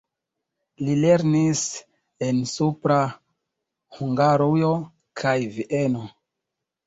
Li lernis en Supra Hungarujo kaj Vieno.